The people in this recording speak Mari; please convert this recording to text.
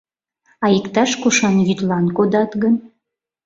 А иктаж-кушан йӱдлан кодат гын?